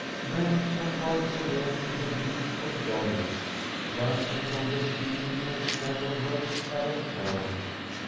Venice was once again the beautiful goddess, rising from the sea in her shell of rose coloured pearl.